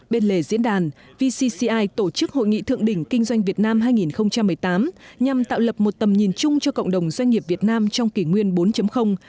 bên lề diễn đàn vcci tổ chức hội nghị thượng đỉnh kinh doanh việt nam hai nghìn một mươi tám nhằm tạo lập một tầm nhìn chung cho cộng đồng doanh nghiệp việt nam trong kỷ nguyên bốn